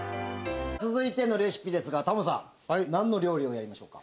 続いてのレシピですがタモリさんなんの料理をやりましょうか？